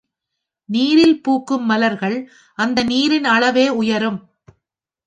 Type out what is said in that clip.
நீரில் பூக்கும் மலர்கள் அந்த நீரின் அளவே உயரும்.